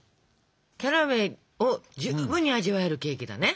キャラウェイを十分に味わえるケーキだね。